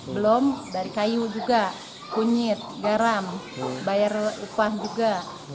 belum dari kayu juga kunyit garam bayar upah juga